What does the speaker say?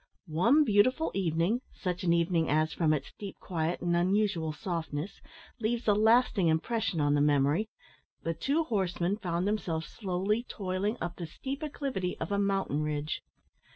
One beautiful evening such an evening as, from its deep quiet and unusual softness, leaves a lasting impression on the memory the two horsemen found themselves slowly toiling up the steep acclivity of a mountain ridge.